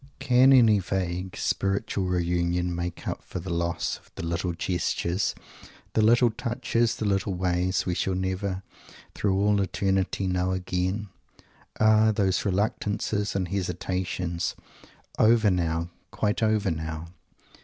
Can any vague, spiritual reunion make up for the loss of the little gestures, the little touches, the little ways, we shall never through all eternity know again? Ah! those reluctances and hesitations, over now, quite over now!